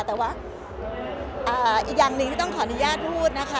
แต่ว่าอีกอย่างหนึ่งที่ต้องขออนุญาตพูดนะคะ